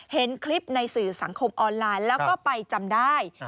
เห็นคลิปในสื่อสังคมออนไลน์แล้วก็ไปจำได้